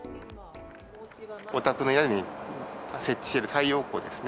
お宅の屋根に設置している太陽光ですね。